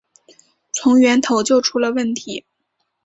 从源头就出了问题